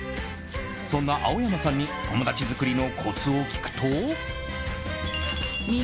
そんな青山さんに友達作りのコツを聞くと。